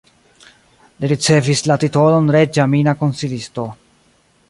Li ricevis la titolon reĝa mina konsilisto.